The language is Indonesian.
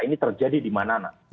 ini terjadi di manana